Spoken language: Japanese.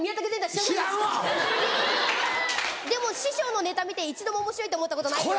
でも師匠のネタ見て一度もおもしろいと思ったことないです。